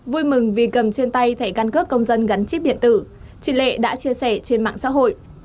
vui mừng vì cầm trên tay thẻ căn cước công dân gắn chip điện tử chị lệ đã chia sẻ trên mạng xã hội